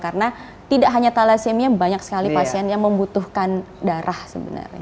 karena tidak hanya thalassemia banyak sekali pasien yang membutuhkan darah sebenarnya